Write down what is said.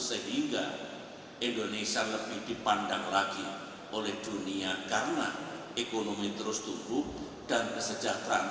sehingga indonesia lebih dipandang lagi oleh dunia karena ekonomi terus tumbuh dan kesejahteraan